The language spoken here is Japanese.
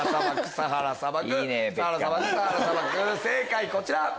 正解こちら。